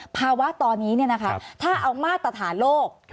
ภาวะตอนนี้ถ้าเอามาตรฐานโลก